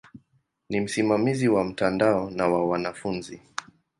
Ni msimamizi wa mtandao na wa wanafunzi.